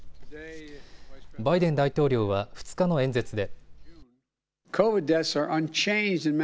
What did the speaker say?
バイデン大統領は２日の演説で。